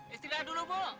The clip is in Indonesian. istilah dulu bu